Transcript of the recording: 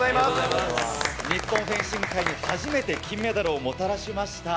日本フェンシング界に初めて金メダルをもたらしました。